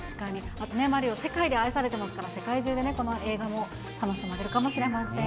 あとマリオ、世界で愛されてますから、世界中でこの映画も楽しまれるかもしれません。